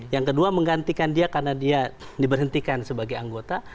yang kedua menggantikan dia karena dia diberhentikan sebagai anggota